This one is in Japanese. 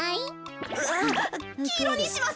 あきいろにします。